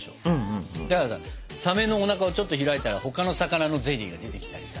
だからさサメのおなかをちょっと開いたら他の魚のゼリーが出てきたりさ。